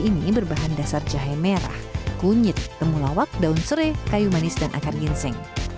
ini berbahan dasar jahe merah kunyit temulawak daun serai kayu manis dan akar ginseng